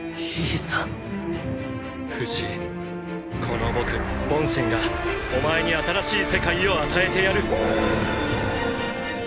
この僕ボンシェンがお前に新しい世界を与えてやる！